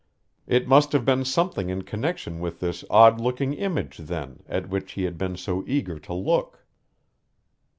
It must have been something in connection with this odd looking image, then, at which he had been so eager to look.